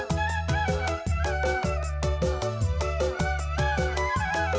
kau yang selalu membuat aku menangis